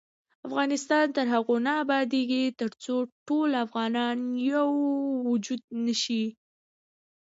افغانستان تر هغو نه ابادیږي، ترڅو ټول افغانان یو وجود نشي.